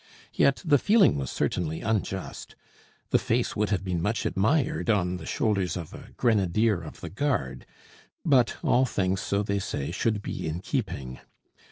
Yet the feeling was certainly unjust: the face would have been much admired on the shoulders of a grenadier of the guard; but all things, so they say, should be in keeping.